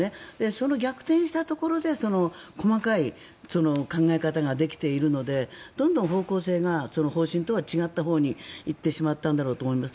その逆転したところで細かい考え方ができているのでどんどん方向性が方針とは違ったほうに行ってしまったんだろうと思います。